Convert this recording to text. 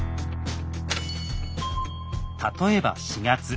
例えば４月。